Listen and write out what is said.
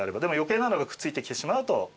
でも余計なのがくっついてきてしまうと。